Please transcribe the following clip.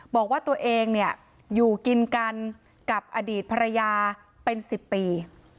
บอกว่าตัวเองเนี่ยอยู่กินกันกับอดีตภรรยาเป็น๑๐ปี